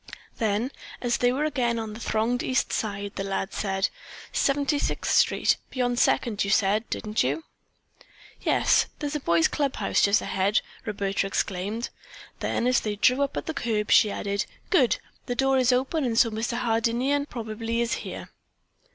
Then, as they were again on the thronged East Side, the lad said: "Seventy sixth Street, beyond Second, you said, didn't you?" "Yes. There is the Boys' Club House just ahead," Roberta exclaimed. Then as they drew up at the curb, she added: "Good! The door is open and so Mr. Hardinian probably is here."